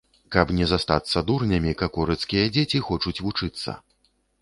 Каб не застацца дурнямі, какорыцкія дзеці хочуць вучыцца.